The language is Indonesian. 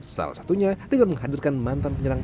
salah satunya dengan menghadirkan mantan penyerang